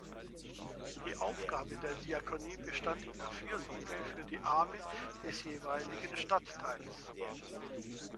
Die Aufgabe der Diakonie bestand in der Fürsorge für Arme des jeweiligen Stadtteils.